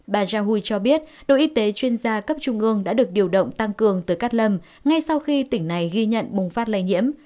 bà jahui cho biết đội y tế chuyên gia cấp trung ương đã được điều động tăng cường tới cát lâm ngay sau khi tỉnh này ghi nhận bùng phát lây nhiễm